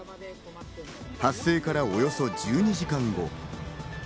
発生からおよそ１２時間後。